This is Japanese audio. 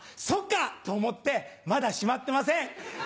「そっか！」っと思ってまだしまってません。